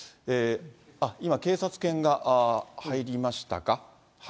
今、警察犬が入りましたか。